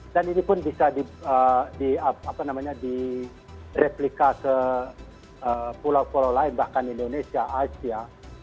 dan ini pun bisa direplika ke pulau pulau lain bahkan indonesia asia